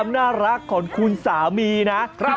อันนี้ยินรอสุ่มตำอยู่นะครับ